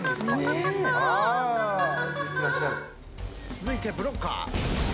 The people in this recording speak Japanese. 続いてブロッカー。